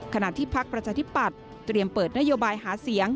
ขณะที่พักประชาธิปัตย์เตรียมเปิดนโยบายหาเสียง